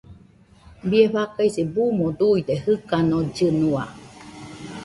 Bie faikase buuno duide jɨkanollɨnua.